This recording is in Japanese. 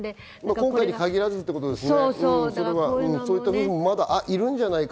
今回に限らずってことですよね。